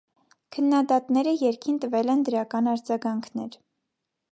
Քննադատները երգին տվել են դրական արձագանքներ։